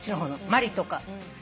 マリとか。